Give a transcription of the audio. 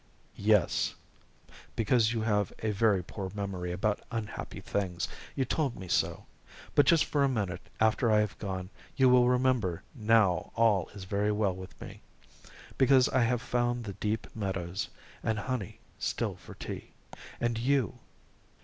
"Yes; because you have a very poor memory about unhappy things! You told me so. But just for a minute after I have gone, you will remember that now all is very well with me, because I have found the deep meadows and honey still for tea and you.